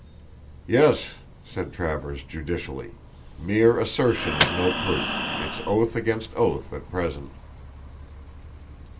"Yes," said Travers, judicially; "mere assertion is no proof; it's oath against oath at present."